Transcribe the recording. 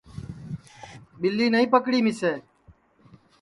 ٻیلی نائی پکڑی مِسے